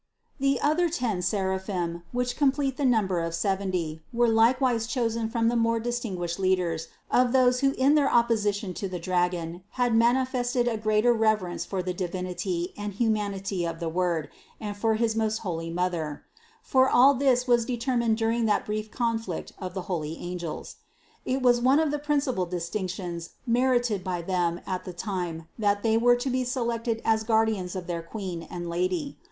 205. The other ten seraphim, which complete the number of seventy, were likewise chosen from the more distinguished leaders of those who in their opposition to the dragon had manifested a greater reverence for the Divinity and humanity of the Word and for his most holy Mother; for all this was determined during that brief conflict of the holy angels. It was one of the prin cipal distinctions merited by them at the time that they were to be selected as guardians of their Queen and Lady.